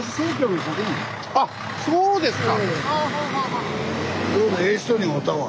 あっそうですか。